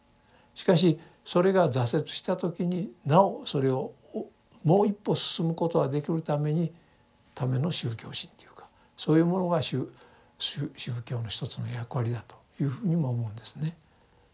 しかしそれが挫折した時になおそれをもう一歩進むことはできるためにための宗教心というかそういうものが宗教の一つの役割だというふうにも思うんですね。